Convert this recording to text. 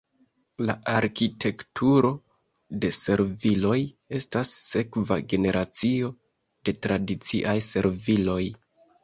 La arkitekturo de serviloj estas sekva generacio de tradiciaj serviloj.